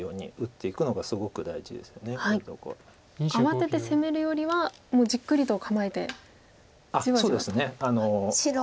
慌てて攻めるよりはもうじっくりと構えてじわじわと。